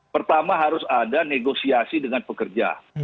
pertama harus ada negosiasi dengan pekerja